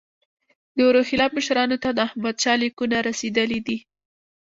د روهیله مشرانو ته د احمدشاه لیکونه رسېدلي دي.